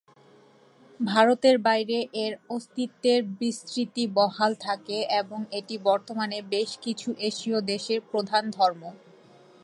ভারতের বাইরে এর অস্তিত্বের বিস্তৃতি বহাল থাকে এবং এটি বর্তমানে বেশ কিছু এশীয় দেশের প্রধান ধর্ম।